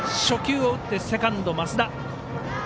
初球を打って、セカンド増田。